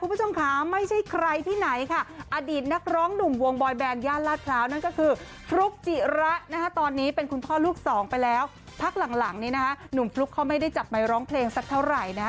พักหลังนี่นะคะหนุ่มฟลุ๊กเขาไม่ได้จับไมค์ร้องเพลงสักเท่าไหร่นะ